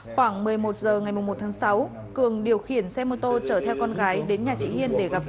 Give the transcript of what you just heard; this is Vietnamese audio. khoảng một mươi một h ngày một tháng sáu cường điều khiển xe mô tô chở theo con gái đến nhà chị hiên để gặp vợ